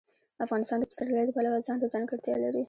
افغانستان د پسرلی د پلوه ځانته ځانګړتیا لري.